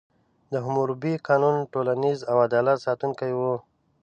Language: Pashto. د حموربي قانون ټولنیز او عدالت ساتونکی و.